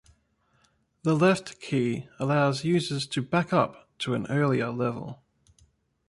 The left key allows users to back up to an earlier level.